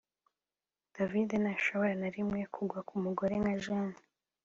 David ntashobora na rimwe kugwa kumugore nka Jane